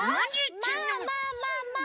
まあまあまあまあ。